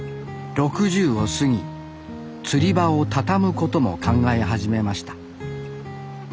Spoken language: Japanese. ６０を過ぎ釣り場を畳むことも考え始めました